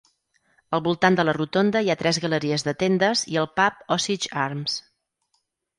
Al voltant de la rotonda hi ha tres galeries de tendes i el pub Osidge Arms.